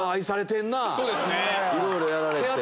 いろいろやられて。